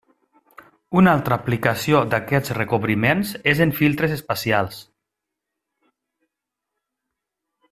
Una altra aplicació d'aquests recobriments és en filtres espacials.